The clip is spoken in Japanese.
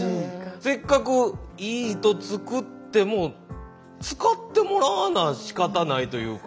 せっかくいい糸作っても使ってもらわなしかたないというか。